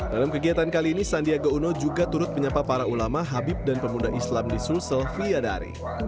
dalam kegiatan kali ini sandiaga uno juga turut menyapa para ulama habib dan pemuda islam di sulsel viadari